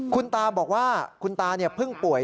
คุณตาบอกว่าคุณตาเพิ่งป่วย